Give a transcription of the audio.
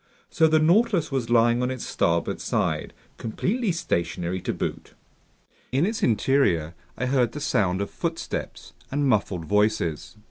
So the Nautilus was lying on its starboard side, completely stationary to boot. In its interior I heard the sound of footsteps and muffled voices.